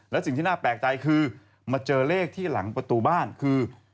และสิ่งที่น่าแปลกใจคือมาเจอเลขที่หลังประตูบ้านคือ